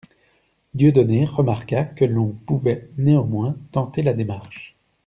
Dieudonné remarqua que l'on pouvait néanmoins tenter la démarche.